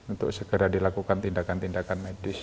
untuk segera dilakukan tindakan tindakan medis